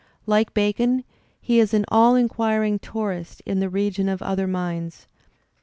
Like Bacon he is an all inquiring tourist in the region of other minds.